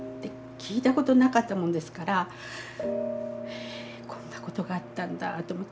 聞いたことなかったもんですからえこんなことがあったんだと思って。